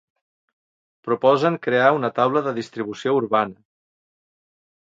Proposen crear una Taula de Distribució Urbana.